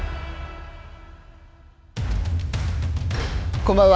こんばんは。